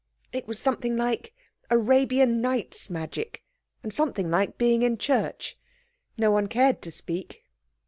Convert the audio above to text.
It was something like Arabian Nights magic, and something like being in church. No one cared to speak.